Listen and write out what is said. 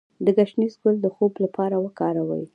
د ګشنیز ګل د خوب لپاره وکاروئ